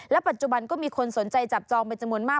แล้วปัจจุบันก็มีคนสนใจจับจองไปจมนต์มาก